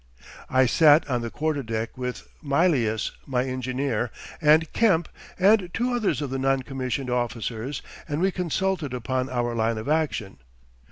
I sat on the quarter deck with Mylius my engineer and Kemp and two others of the non commissioned officers, and we consulted upon our line of action.